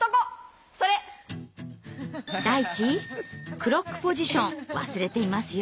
ダイチクロックポジション忘れていますよ。